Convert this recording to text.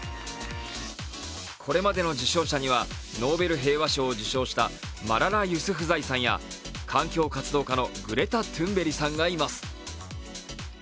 これまでの受賞者にはノーベル平和賞を受賞したマララ・ユスフザイさんや環境活動家のグレタ・トゥンベリさんがいます。